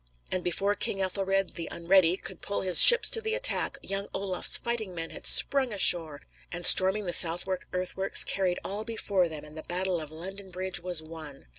And before King Ethelred, "the Unready, "could pull his ships to the attack, young Olaf's fighting men had sprung ashore, and, storming the Southwark earthworks, carried all before them, and the battle of London Bridge was won.